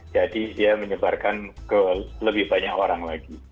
jadi dia menyebarkan ke lebih banyak orang lagi